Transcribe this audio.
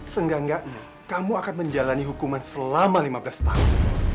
seenggak enggaknya kamu akan menjalani hukuman selama lima belas tahun